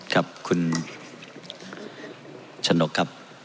ครับคุณชนกครับ